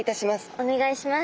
おねがいします。